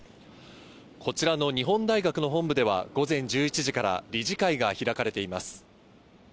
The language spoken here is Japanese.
こちらの日本大学の本部では、午前１１時から理事会が開かれています。